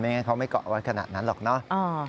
งั้นเขาไม่เกาะไว้ขนาดนั้นหรอกเนอะ